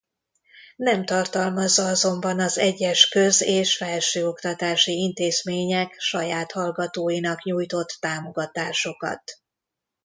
Nem tartalmazza azonban az egyes köz- és felsőoktatási intézmények saját hallgatóinak nyújtott támogatásokat.